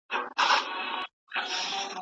ایا محصلین د بیان علم زده کولی سي؟